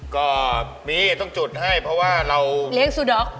ก็มีต้องจุดให้เพราะว่าเราเล็กซูนัก